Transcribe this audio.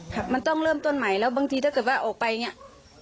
ครับมันต้องเริ่มต้นใหม่แล้วบางทีถ้าเกิดว่าออกไปเนี่ย